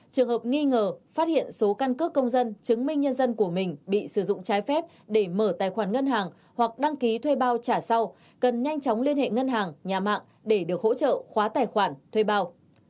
trường hợp nghi ngờ phát hiện số căn cước công dân chứng minh nhân dân của mình bị sử dụng trái phép để mở tài khoản ngân hàng hoặc đăng ký thuê bao trả sau cần nhanh chóng liên hệ ngân hàng nhà mạng để được hỗ trợ khóa tài khoản thuê bao